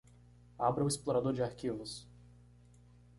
Abra o explorador de arquivos.